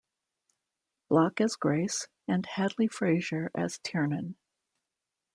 Block as Grace, and Hadley Fraser as Tiernan.